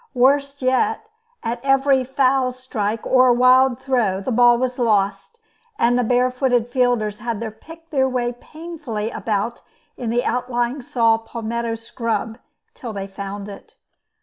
Worse yet, at every "foul strike" or "wild throw" the ball was lost, and the barefooted fielders had to pick their way painfully about in the outlying saw palmetto scrub till they found it.